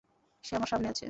সে আমার সামনে আছে।